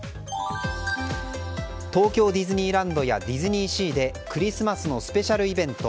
東京ディズニーランドやディズニーシーでクリスマスのスペシャルイベント